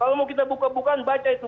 kalau mau kita buka bukaan baca itu